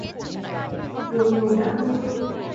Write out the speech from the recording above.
Vừa cầu đã mưa!